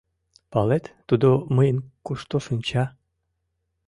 — Палет, тудо мыйын кушто шинча?